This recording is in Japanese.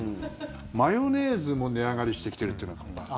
マヨネーズも値上がりしてきてるっていうのが困る。